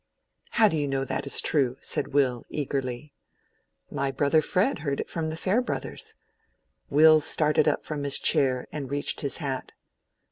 "How do you know that it is true?" said Will, eagerly. "My brother Fred heard it from the Farebrothers." Will started up from his chair and reached his hat.